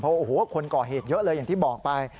โอ้โหคนก่อเหตุเยอะเลยอย่างที่บอกไป